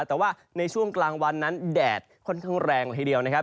แต่ว่าในช่วงกลางวันนั้นแดดค่อนข้างแรงละทีเดียวนะครับ